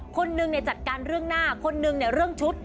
คนนึงในจัดการเรื่องหน้าคนนึงในเรื่องชุด